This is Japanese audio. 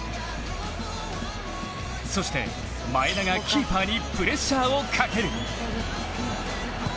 そして、前田がキーパーにプレッシャーをかける。